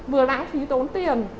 vừa lãng phí tốn tiền